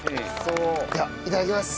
ではいただきます。